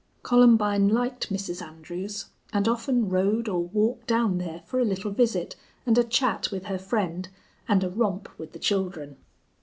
Columbine liked Mrs. Andrews and often rode or walked down there for a little visit and a chat with her friend and a romp with the children.